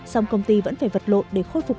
song công ty vẫn phải vật lộn để khôi phục